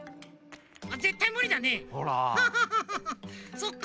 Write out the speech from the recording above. そっか。